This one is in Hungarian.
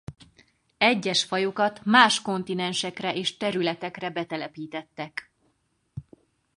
Egyes fajokat más kontinensekre és területekre betelepítettek.